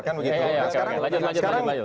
kan begitu sekarang